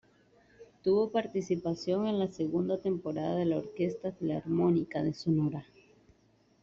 Tuvo participación en la segunda temporada de la Orquesta Filarmónica de Sonora.